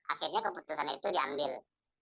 akhirnya keputusan itu diambil